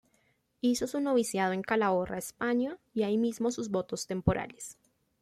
Hizo su Noviciado en Calahorra, España y ahí mismo sus votos temporales.